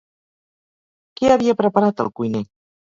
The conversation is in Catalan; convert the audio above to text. Què havia preparat el cuiner?